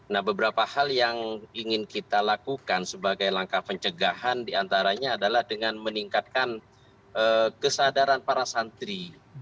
nah beberapa hal yang ingin kita lakukan sebagai langkah pencegahan diantaranya adalah dengan meningkatkan kesadaran para santri